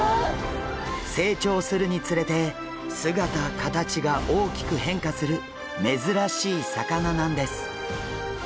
成長するにつれて姿形が大きく変化する珍しい魚なんです。